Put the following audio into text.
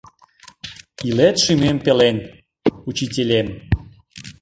Илет шӱмем пелен, Учителем.